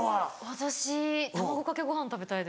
私卵かけご飯食べたいです。